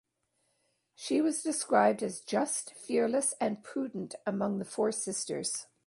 She was described as just, fearless and prudent among the four sisters.